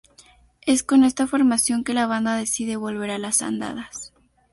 Es con esta formación que la banda decide volver a las andadas.